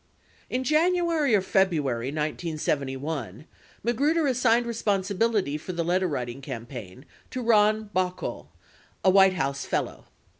42 In January or February 1971, Magruder assigned responsibility for the letterwriting campaign to Ron Baukol, a White House fellow.